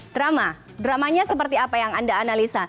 drama dramanya seperti apa yang anda analisa